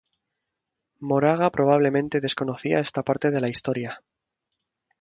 Moraga probablemente desconocía esta parte de la historia.